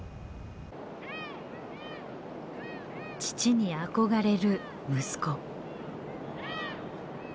父に憧れる息子。